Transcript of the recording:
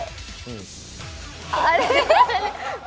あれ？